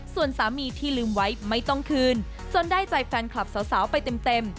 ส่วนสามีที่ลืมไว้ไม่ต้องคืนจนได้ใจแฟนคลับสาวไปเต็ม